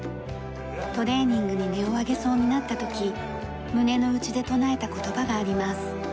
トレーニングに音を上げそうになった時胸のうちで唱えた言葉があります。